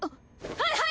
はいはい！